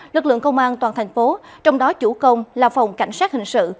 lực lượng công an toàn thành phố trong đó chủ công là phòng cảnh sát hình sự